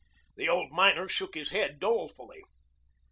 The old miner shook his head dolefully.